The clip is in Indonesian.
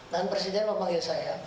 dan presiden memanggil saya